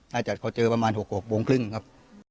น่าจะเขาเจอประมาณ๖๖โมงครึ่งครับ